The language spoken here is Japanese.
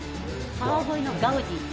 川越のガウディと。